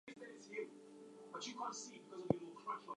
The barking of our dog at night had frightened the evil spirits.